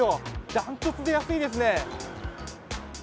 ダントツで安いですね。